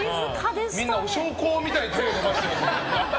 みんなお焼香みたいに手を伸ばして。